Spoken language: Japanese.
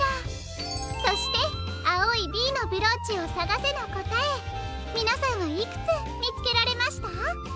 そして「あおい『Ｂ』のブローチをさがせ！」のこたえみなさんはいくつみつけられました？